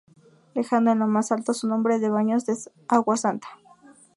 Dejando en los más alto en nombre de Baños de Agua Santa.